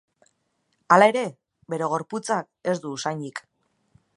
Hala ere, bere gorputzak ez du usainik.